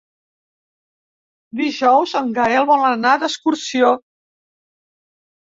Dijous en Gaël vol anar d'excursió.